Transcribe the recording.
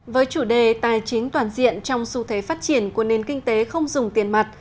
với chủ đề tài chính toàn diện trong xu thế phát triển của nền kinh tế không dùng tiền mặt